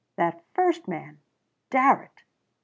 That first man. Darrett.